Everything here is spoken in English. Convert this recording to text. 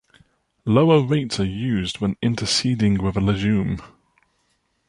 Lower rates are used when interseeding with a legume.